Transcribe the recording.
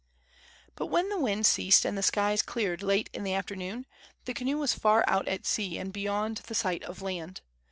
But when the wind ceased and the skies cleared, late in the afternoon, the canoe was far out at sea and beyond the sight of land.